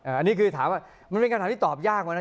อันนี้คือถามว่ามันเป็นคำถามที่ตอบยากมานะ